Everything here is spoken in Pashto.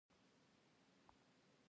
لوگر د افغانستان د طبیعي پدیدو یو رنګ دی.